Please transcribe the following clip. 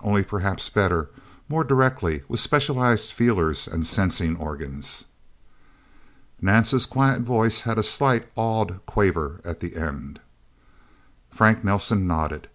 Only, perhaps, better more directly with specialized feelers and sensing organs." Nance's quiet voice had a slight, awed quaver at the end. Frank Nelsen nodded.